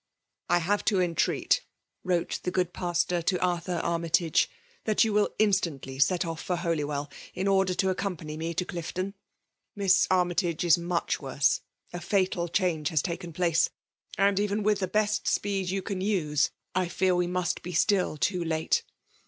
'' I have to entreat/' wrote the good pastor to Arthur Armytage, ^' that you will instantly set off for Holyvelli in order to accompany me to Clifton* Miss Armytage IB much worse ; a fatal change has taken plaee ; and even with the best speed you can use, I fioar we must he still too late.